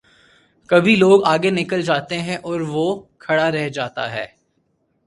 کبھی لوگ آگے نکل جاتے ہیں اور وہ کھڑا رہ جا تا ہے۔